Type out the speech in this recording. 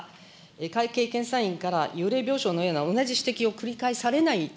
会計検査院からゆうれい病床のような同じ指摘を繰り返されないた